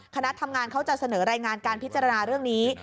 คณะทำงานเขาจะเสนอรายงานการพิจารณาเรื่องนี้